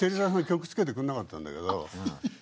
曲つけてくんなかったんだけど。